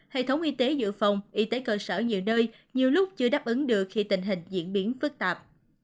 hệ thống y tế dự phòng y tế cơ sở nhiều nơi nhiều lúc chưa đáp ứng được khi tình hình diễn biến phức tạp